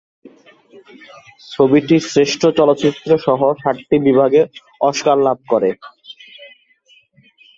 ছবিটি শ্রেষ্ঠ চলচ্চিত্রসহ সাতটি বিভাগে অস্কার লাভ করে।